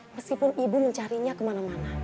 meskipun ibu mencarinya kemana mana